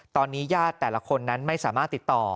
ตอนนี้ญาติแต่ละคนนั้นไม่สามารถติดต่อ